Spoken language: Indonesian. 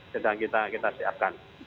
sedang kita siapkan